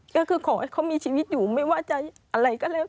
ก็คือขอให้เขามีชีวิตอยู่ไม่ว่าจะอะไรก็แล้ว